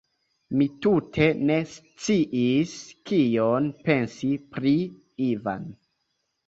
Mi tute ne sciis, kion pensi pri Ivan.